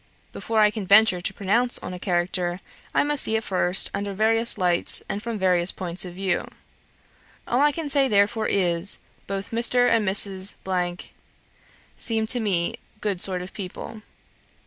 Before I can venture to pronounce on a character, I must see it first under various lights and from various points of view. All I can say therefore is, both Mr. and Mrs. seem to me good sort of people.